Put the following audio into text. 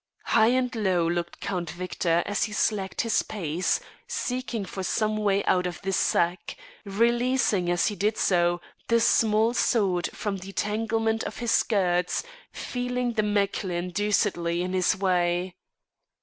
High and low looked Count Victor as he slacked his pace, seeking for some way out of this sack, releasing as he did so the small sword from the tanglement of his skirts, feeling the Mechlin deucedly in his way.